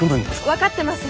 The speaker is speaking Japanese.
分かってます！